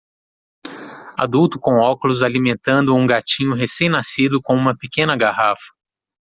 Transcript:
Adulto com óculos alimentando um gatinho recém-nascido com uma pequena garrafa